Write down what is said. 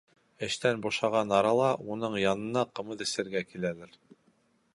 Эштән бушаған арала, уның янына ҡымыҙ эсергә киләләр.